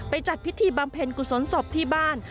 จัดพิธีบำเพ็ญกุศลศพที่บ้าน